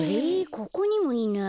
ここにもいない。